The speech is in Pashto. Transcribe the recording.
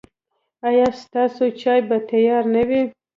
ایا ستاسو چای به تیار نه وي؟